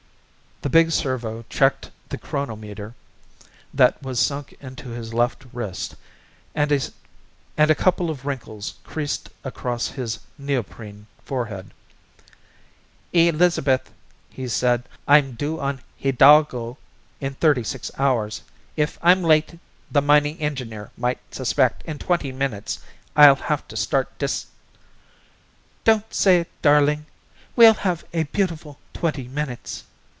The big servo checked the chronometer that was sunk into his left wrist and a couple of wrinkles creased across his neoprene forehead. "Elizabeth," he said, "I'm due on Hidalgo in 36 hours. If I'm late the mining engineer might suspect. In twenty minutes I'll have to start dis " "Don't say it, darling. We'll have a beautiful twenty minutes."